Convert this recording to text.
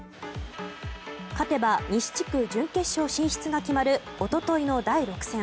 勝てば西地区準決勝進出が決まる一昨日の第６戦。